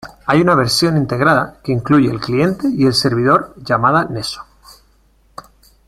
Hay una versión integrada que incluye el cliente y el servidor llamada Neso.